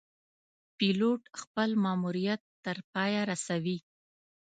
پیلوټ خپل ماموریت تر پایه رسوي.